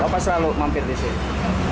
bapak selalu mampir disini